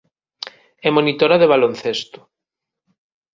É monitora de Baloncesto.